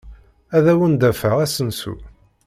Ad awen-d-afeɣ asensu.